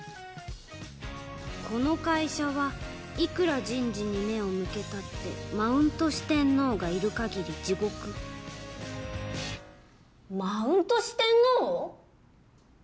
「この会社はいくら人事に目を向けたってマウント四天王がいる限り地獄」「マウント四天王」？